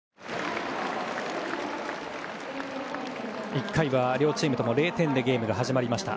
１回は両チームとも０点でゲームが始まりました。